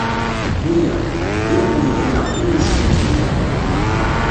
Wiyaḍ: d Irmiya, neɣ d yiwen si lenbiya.